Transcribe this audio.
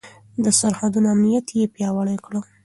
د سرحدونو امنيت يې پياوړی کړ.